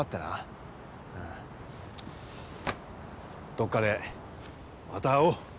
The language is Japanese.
どこかでまた会おう！